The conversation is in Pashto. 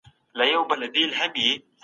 څوک د نړیوالو اړیکو مسوولیت لري؟